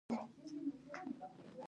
د ایډیټینګ تسلسل د لیدونکي تمرکز ساتي.